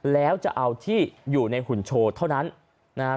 แล้วจะเอาที่อยู่ในหุ่นโชว์เท่านั้นนะครับ